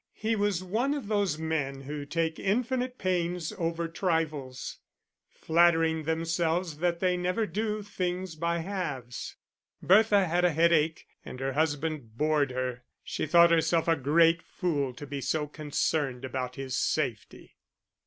He was one of those men who take infinite pains over trifles, flattering themselves that they never do things by halves. Bertha had a headache, and her husband bored her; she thought herself a great fool to be so concerned about his safety.